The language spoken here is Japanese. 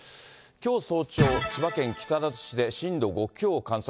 きょう早朝、千葉県木更津市で震度５強を観測。